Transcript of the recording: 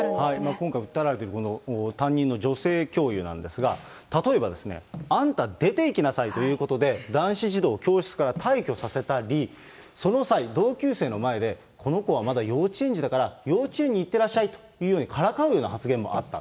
今回訴えられているこの担任の女性教諭なんですが、例えば、あんた出ていきなさいということで、男子児童を教室から退去させたり、その際、同級生の前で、この子はまだ幼稚園児だから、幼稚園に行ってらっしゃいというようにからかうような発言もあった。